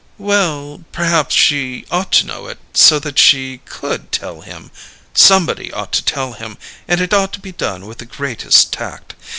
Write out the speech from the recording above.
"Well perhaps she ought to know it, so that she could tell him. Somebody ought to tell him, and it ought to be done with the greatest tact.